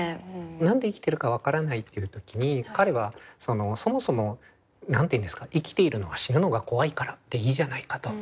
何で生きてるか分からないっていう時に彼はそもそも何て言うんですか「生きているのは死ぬのが怖いからでいいじゃないか」と。